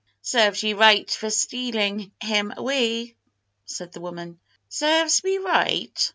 "Serves ye right for stealin' him away!" said the woman. "Serves me right!"